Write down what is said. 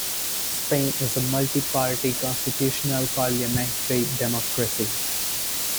Spain is a multi-party constitutional parliamentary democracy.